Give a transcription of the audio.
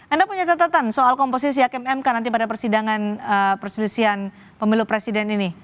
anda punya catatan soal komposisi hakim mk nanti pada persidangan perselisian pemilu presiden ini